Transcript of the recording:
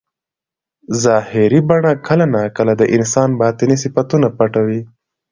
ظاهري بڼه کله ناکله د انسان باطني صفتونه پټوي.